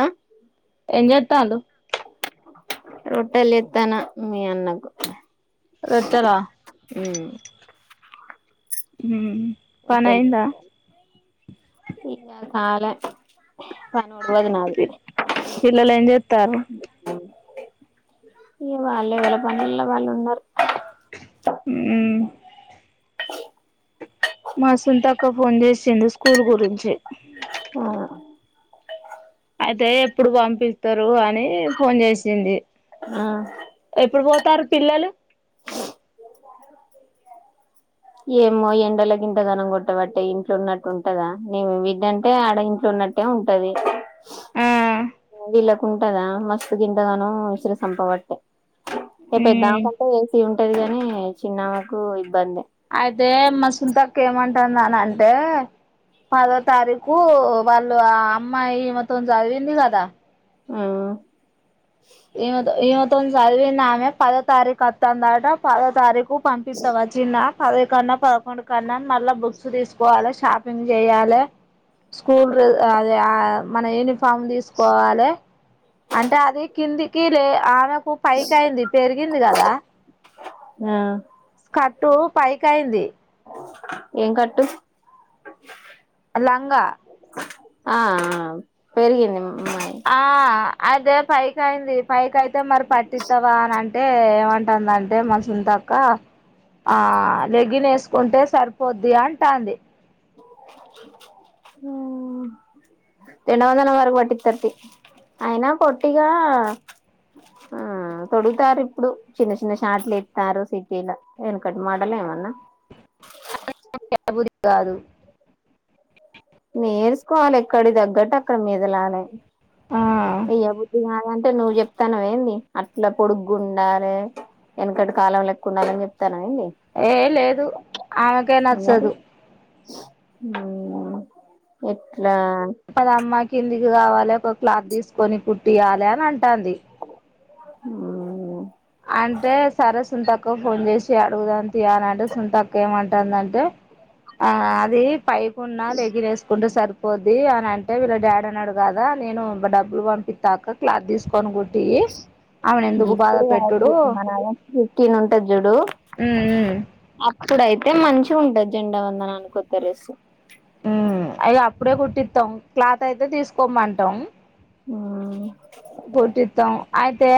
ఆ ఎం చేతాల్లో రొట్టెలు చేతన మీ అన్నకు రొట్టెల ఉమ్ ఉ పని అయిందా ఇంకా కాల్య పి పిల్లలు ఏం చెస్తారు ఇగా వాళ్ళు వేళ పనుల్లో వాళ్ళు ఉన్నారు ఉ [unintelligible] మా సుతాక్క ఫోన్ చేసింది స్కూల్ గురించి ఆ అయితే ఎప్పుడు పంపిత్తరు అని ఫోన్ జేసింది. ఆ ఎపుడు పోతారు పిల్లలు ఏమో ఎండలకి ఇంతగనం కొట్టబట్టే ఇంట్లో ఉన్నట్టు ఉంటదా నేం బిడ్డంటే ఆడ ఇంట్లో ఉన్నట్ అట్టే ఉంటది. ఆ మూవీళ్ళలకు ఉంటదా మస్తుత్ తింటగాను విసిరి సంపబట్టే ఇక మ్మ్ పెద్దామ్కంటే ఏసీ ఉంటదిగాని చిన్నా ఆమెకు ఇబ్బంది అయితే మా సుంతక్క ఏమంటదన్నా అంటే పదో తారీకు వాళ్ళు ఆ అమ్మాయి మొత్తం చదివింది కదా ఆ ఈమెతో ఈమెతోని చదివింది ఆమె పదో తారీఖు వత్తందాట పదో తారీఖు పంపిత్తా వచ్చిందా? పది కన్నా పదకొండు కన్నా మళ్ళా బుక్స్ తీసుకోవాలె స్ షాపింగ్ చేయాలే స్కూల్ర్ అదే మన యూనిఫ ఫామ్ తీసుకోవాలే అంటే అది కిందికి లే ఆమె పైకి అయింది పెరిగింది కదా ఆ క ట్టు పైకైంది. ఏం కట్టు? లంగా ఆ ఆమ్ పెరిగింది మ్ ఆ అదే పైకైంది పైకి అయితే మరి పట్టిత్తవా అని అంట్ అంటే ఏమంటాందంటే మా సున్తక్క ఆ లెగ్గిన్ వేసుకుంటే సరిపోద్ది అంటాంది మ్ రెండు వందల వరకు పట్టిత్తది తీ అయినా పొట్టిగా ఆ తొడుగుతారు ఇప్పుడు చిన్న చిన్న షాట్లు ఎత్తారు సిటీలా వెనకట్ మాడలేమన్నా? [inaudible] [inaudible] బూది కాదు నెర్సుకోవాలె ఎక్కడి తగ్గట్టు అక్కడి మెదలాలే ఆ ఏయ్య బుద్ధి కాదు అం అంటే నువ్వు చెప్తానవ ఏంది అట్లా పొడుగ్గా ఉండాలె ఎనకటి కాలం లెక్క ఉండాలె అని చెప్తాన ఏ లేదు ఆమెకే నచ్చదు. ఉమ్ ఎట్లా? పదమ్మ కిందికి కావాలే ఒక క్లాత్ తీసుకొని కుట్టియాలే అని అంటాంది. ఉమ్ అంటే సరే సుంతక్కకు ఫోన్ చేసి అడుగుదాం తీ అని అంటే సుంతక్క ఏమంటాందంటే? ఆ అది పైకున్న లేగ్గినేసుకుంటే సరిప్ పోద్ది అని అంటే వీళ్ళ డాడీ అన్నాడు కదా నేను డబ్బులు పంపిత్తాక్క క్లాత్ తీసుకొని కుట్టియ్యి ఆమెను ఎందుకు బాధ పెట్ మనలాటీన్ ఫిఫ్టీన్ ఉంటది చూడు ఉమ్ ఉమ్ అప్పుడైతే మంచి మంచిగా ఉంటది జెండా వందనానికి కొత్త డ్రెస్సు అగ అప్పుడే కుట్టిత్తం క్లాత్ అయితే తీసుకోమంటాం. ఉమ్ పొట్టిత్తాం అయితే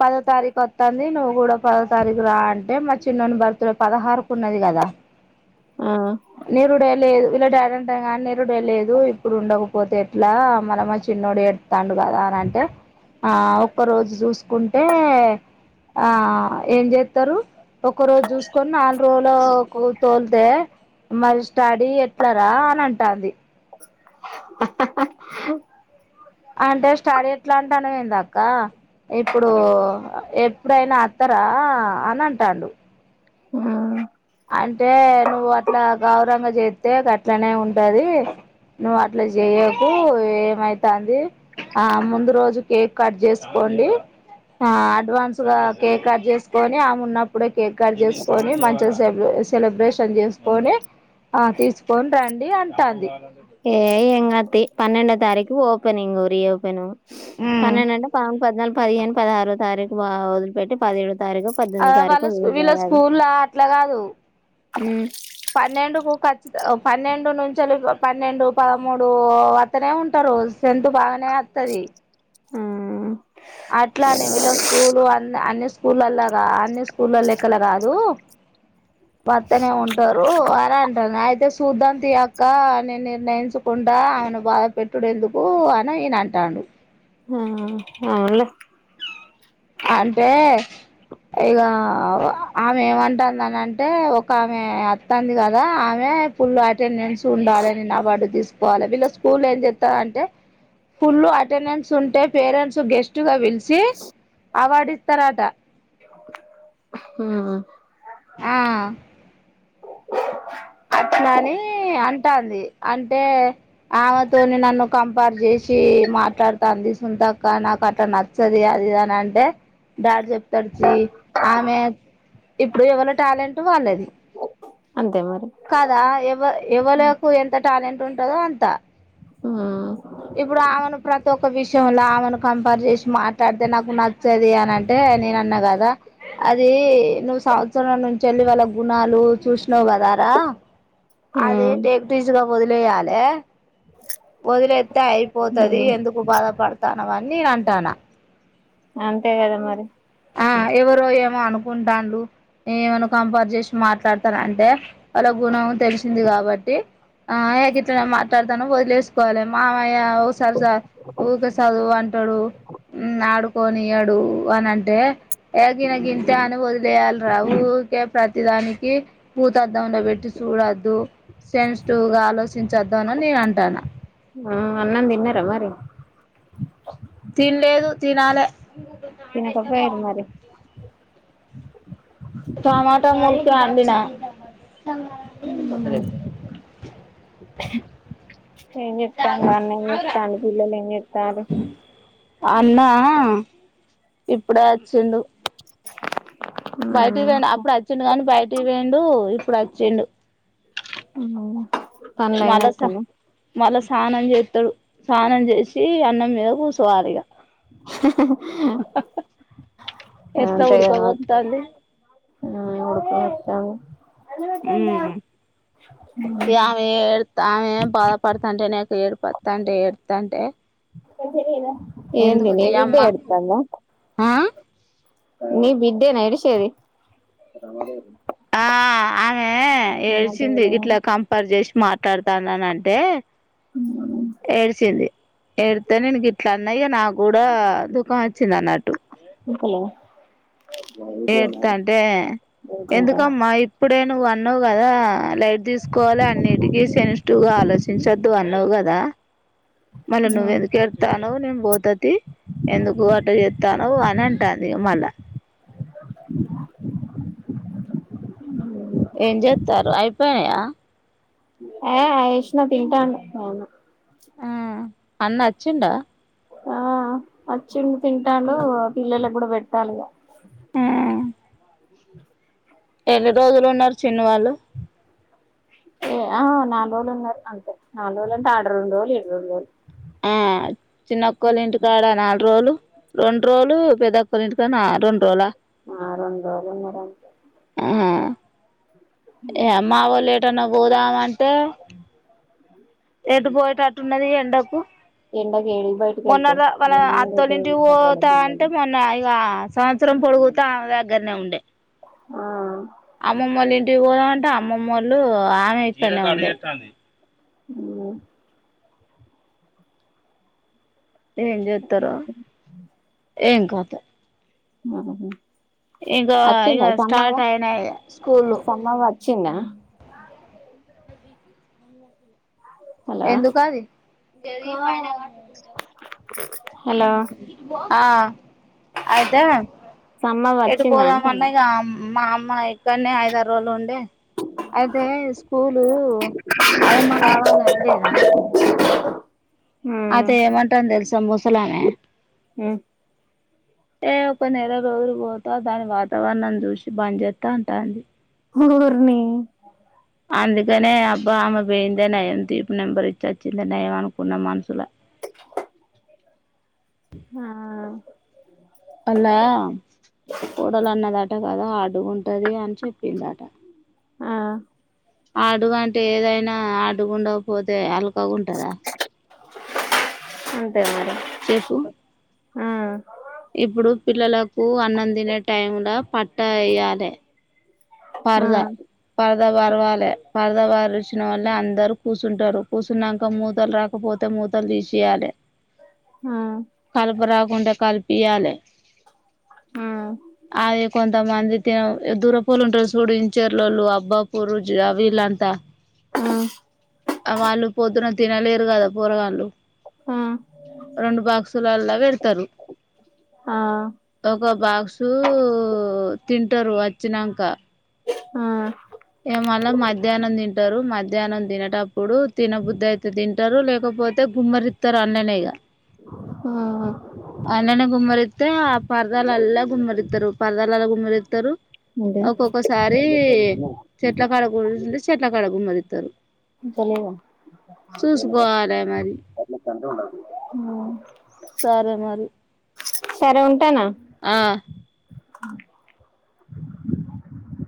పదో తారీఖు వత్తంది నువ్వు కూడా పదో తారీఖు రా అంటే మా చిన్నోని బర్త్డే పదహారుకు ఉన్నది కదా ఆ ఆ నీరుడే లేదు వీళ్ళ డాడ్ అంటాండు కదా నీరుడే లేదు ఇప్పుడు ఉండకపోతే ఎట్ల మల్ల మా చిన్నోడు ఏడస్తాండుగాదా అంటే ఆ ఒక్క రోజు చూసుకుంటే ఆ ఏం జేస్తరు ఒక్క రోజు జూసుకొని నాలుగు రోజులకు తోలితే మరి స్టాడీ ఎట్ల రా అని అంటాంది హా హా హా అంటే స్టడీ ఎట్లా అంటానవేంది అక్క ఇప్పుడు ఏ ఇప్పుడైనా అత్తరా అని అంటాడు ఆ అంటే నువ్వు అట్లా గావురంగా చెత్తే గాట్లనే ఉంటది నువ్వు అట్ల జెయకు ఏమైతాంది ఆ ముందు రోజు కేక్ కట్ చేసుకోండి ఆ అడ్వాన్స్ గా కేక్ కట్ చేసుకొని ఆమె ఉన్నప్పుడే కేక్ కట్ చేసుకొని మంచిగా సెబ్ సెలబ్రేషన్ చేసుకొని ఆ తీసుకొని రండి అంటాంది ఏ ఎంగాదు తీ పన్నెండో తారీకు ఓపనింగ్ రీ ఓపేన్ ఉమ్ పన్నెండు అంటే ప పద్నాలుగు పదిహేను పదహారో తారీఖు ఆ వదిలిపెట్టి పదిహేడు అ వాళ్ళూ వీళ్ళ స్కూల్లా అట్లా కాదు పన్నెండుకు కచ్ పన్నెండు నుంచలి పన్నెండు పదమూడు వత్తనే ఉంటారు స్ట్రెంత్ బాగా నేతది హ అట్లా అనే వీళ్ళ స్కూలు అన్ని అన్ని స్కూల్లాల్లగా అన్ని స్కూల్లో లెక్కల కాదు వత్తనే ఉంటారు అనీ అంటది అయితే చూద్దాంతి అక్క నేన్ నిర్ణయించకుంట ఆయను బాధ పెట్టుడేందుకు అని ఇయన అంటాండు అంటాండు ఆ అవునులే అంటే ఇగా ఆమె ఏమంటంది అని అంటే ఒక ఆమె అత్తంది కదా ఆమె ఫుల్ అటెండెన్స్ ఉండాలి నేను అవార్డు తీసుకోవాలి వీళ్ళ స్కూల్లో ఏం చెస్తారంటే ఫుల్ అటెండెన్స్ ఉంటే పేరెంట్స్ గెస్ట్ గా పిలుస్ చ్చి అవార్డు ఇస్తారట హు ఆ అట్లాని అంటాంది అంటే ఆమెతోని నన్ను కంపేర్ చేసి ఛీ మాట్లాడుతాంది సునీతక్క నాకు అట్లనచ్చది అది ఇది అని అంటే డాడీ చెప్తాడుచి ఆమె ఇప్పుడు ఎవర్ల టాలెంట్ వాళ్ళది అంతే మరి కాదా ఎవ ఎవలకు ఎంత టాలెంట్ ఉంటదో అంత ఇప్పుడు ఆమెను ప్రతి ఒక్క విషయంల ఆమెను కంపేర్ చేసి మాట్లాడితే నాకు నచ్చది అని అంటే నేను అన్నా కదా అది నువ్ సంవత్సరం నుంచేల్లి వాళ్ళ గుణాలు చూసినావు కదా రా అది టేక్ఈజీగా వదిలేయాలే వదిలేస్తే అయిపోతది ఎందుకు బాధపడతాన్నావ్ అని నేను అంటన్న అంతే కదా మరి ఆ ఎవరో ఏమో అనుకుంటాలు ఏవన్నా కంపర్ట్ చేసి మాట్లాడతారు అంటే వాళ్ళ గుణం తెలిసింది కాబట్టి ఆ ఏ గిట్లన్నా నేను మాట్లాడతానుో వదిలేసుకోవాలి మామయ్యఓసారి ఊక చదువు అంటే టాడు ఉ ఆడుకోనియడూ అని అ టే ఏ గినగింతే అని వదిలేయాలి రా వుకే ప్రతిదానికి బుతద్దాం లో పెట్టి చూడొద్దు సెన్సిటివ్ గా ఆలోచించొద్ద అని నేను అంటాన ఆ అన్నం తిన్నార మరి తిన్లేదు తినాలే తినకపోయారు మరి టమాటో ములకాయ అండిన అ ఏం చెప్తాండి అన్న ఏం చెప్తాండు పిల్లలు ఏం చెస్తాండ్రు అన్నా ఆ ఇప్పుడే అచ్చిండూ బయటికి పోయిండు అప్పుడు వచ్చిండు కానీ బయటికి పోయిండు ఇప్పుడు వచ్చిండు పనులు వలస అయినట్టేనా వలస స్నానం చేస్తాడు స్నానం చేసి అన్నం మీద కుసోవాలిగా ఎట్లా అంతే కదా ఉడకపోత్తాంది మరి మ్మ్ ఉడక పెడతంది మ్మ్ ఇగ ఆమె ఎడ్ తామె బాధపడుతుంటే నకు ఏడుపతు అంటే ఏడుతంటే ఏందిని నీ బిడ్డ ఏడుత్తంద ఆ నీ బిడ్డేనా ఏడిసేది ఆ ఆమె ఏడ్చింది ఇట్లా కంపేర్ చేసి మాట్లాడతానని అంటే ఏడ్చింది ఏడితే నేను గిట్లా అన్న ఇగ నాకు కూడా దుఃఖం వచ్చింది అన్నట్టు హలో ఏడుత్తాంటే ఎందుకమ్మా ఇప్పుడే నువ్వు అన్నావు కదా లైట్ దీసుకోవాలి అన్నిటికీ సెన్సిటివ్ గా ఆలోచించద్దు అన్నవు కదా మళ్ళ నువ్వు ఎందుకు ఏడుతానవు నేను పోతతి ఎందుకు అట చెత్తానవ్ అని అంటాంది మళ్ళా ఏం జేతారు అయిపోనయా ఏ అయేష్న తింటండు ఆ అన్న వచ్చిండా ఆ ఆచిండు తింటాడు పిల్లలకు కూడా పెట్టాలిగా ఎన్ని రోజులు ఉన్నారు చిన్ను వాళ్ళు ఏ ఆ నాలుగు రోజులు ఉన్నారు అంతే నాలుగు రోజులు అంటే ఆరు రెండు రోజలు ఇ ఏడు రెండురోజులు ఆ చిన్నొక్కళ్ళ ఇంటికాడ నాలుగు రోజులు రెండు రోజులు పెద్దక్కోళ్ళ ఇంటికా రొన్రోలా ఆ రెండు రోజులు ఉన్నారంటా ఏ మావోలు ఏటన్నా పోదాము అంటే ఏటు పోయిటట్టున్నది ఎండకు. ఎండకి ఏడికి బయటికి మొన్నట్ వెళ్తావ్ దా వాళ్ళ మేము రేపే అత్తోలింటికి తీసుకపోవాలే పోతా అంటే పిల్లల్ని మొన్న ఇగా సంవత్సరం పొడుగుత ఆమె దగ్గరనే ఉండే ఆ అమ్మమ్మోళ్ళ ఇంటికి పోదమంటే అమ్మమ్మోళ్ళు ఆమె ఇట్లనే ఉండే మ్ ఏం చేత్తరో ఏం కతో ఆ హ హుమ్ ఇగ అచ్చిందా సమ్మవ్వ స్టార్ట్ అయినాయి స్కూళ్ళు సమ్మవ్వ అచ్చిందా హలో ఎందుకది హలో ఆ అయితే సమ్మవ్వ ఎటు వచ్చిందా పోదామన్నా అంటున్నా ఇగ మా అమ్మ ఇక్కన్నే ఐదార్రోలు ఉండి అయితే స్కూలు ఆయమ్మ కావాలన్లేదా ఉమ్ అయితే ఎమంటాంది తెలుస ముసలామె ఉమ్ ఏ ఒక నెల రోజులు పోతా దాని వాతావరణం చూసి బన్చేస్తా అంటాంది ఓర్నీ అందుకనే అబ్బా అమే పోేయిందే నయం తీ ఇప్పుడు నిను పోయి ఇచ్చచ్చోచ్చిందే నయం అనుకున్న మనుసుల ఆ వాళ్ళ కోడలన్నదాట కాద అట్ ఉంటది అని చెప్పిందట ఆ హడ్ అంటే ఏదైనా హడ్ గుండకపోతే అల్కగుంటదా అంతేనండి చెప్పు ఆ ఇప్పుడు పిల్లలకు అన్నం తినే టైంలా పట్టా ఎయ్యలే ఆ ఆ పరదా పరదా పర్వాలే పరదా పరీచినోళ్ళే అందరు కూస్ కూర్చుంటారు కూసున్నాక మూతలు రాకపోతే మూతలు తీసియాలే ఆ కలుప రాకుంటే కలిపియాలే ఆ అదే కొంత మంది తన్ దూరపోల్ ఉంట చూడించర్లోళ్ళు అబ్బా పూరు అ వీలంతా మ్ ఆ వాళ్ళు పొద్దున తినలేరు కదా పూరగాళ్ళు ఆ రెండు బాక్సులల్ల తరు ఆ ఒక బాక్సు తింటారు వచ్చినంక ఆ ఇగ మల్ల మధ్యాహ్నం తింటారు మధ్యాహ్నం తినేటప్పుడు తినబుద్ధి అయితే తి ట్టారు లేకపోతే కుమ్మరిత్తరు అన్లనే ఇగా ఆ అ అన్లనే కుమ్మరితే ఆ పర్దాలల్ల కుమ్మరితరు పర్దాలల్ల కుమ్మరితరు ఏంటి ఒక్కొక్కసారి చెట్ల కూడుంటే చెట్ల కడ కుమ్మరి అంతలేదా చూసుకోవాలే మరి మ్ సరే మరి సరే ఉంటన ఆ